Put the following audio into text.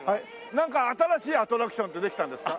なんか新しいアトラクションってできたんですか？